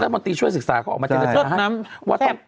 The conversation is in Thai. ครับรัฐบันตรีช่วยและศึกษาเขามาเจรจาให้